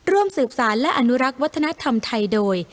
ร่วมสืบสารและอนุรักษ์วัฒนธรรมไทยโดย